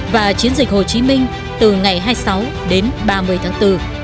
và chiến dịch hồ chí minh từ ngày hai mươi sáu đến ba mươi tháng bốn